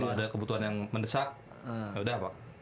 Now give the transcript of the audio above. kalau ada kebutuhan yang mendesak yaudah pak